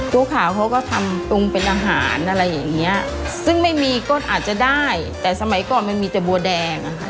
บัวขาวเขาก็ทำปรุงเป็นอาหารอะไรอย่างเงี้ยซึ่งไม่มีก็อาจจะได้แต่สมัยก่อนมันมีแต่บัวแดงอะค่ะ